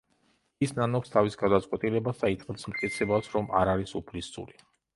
ის ნანობს თავის გადაწყვეტილებას და იწყებს მტკიცებას, რომ არ არის უფლისწული.